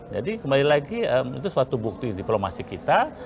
jadi kembali lagi itu suatu bukti diplomasi kita